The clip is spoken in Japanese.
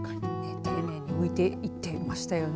丁寧にむいていっていましたよね。